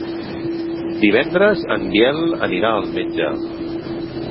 Divendres en Biel anirà al metge.